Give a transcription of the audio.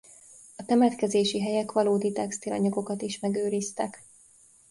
A temetkezési helyek valódi textilanyagokat is megőriztek.